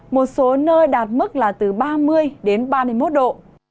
một số nơi đạt mức là từ ba mươi đến ba mươi một độ